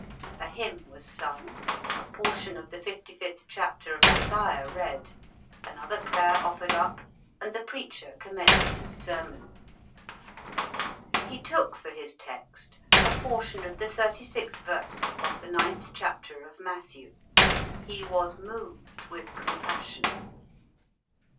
A hymn was sung, a portion of the 55th chapter of Isaiah read, another prayer offered up, and the preacher commenced his Sermon. He took for his text a portion of the 36th verse of the 9th chapter of Matthew "He was moved with compassion."